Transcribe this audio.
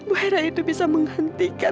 agar bu erra itu bisa menghentikan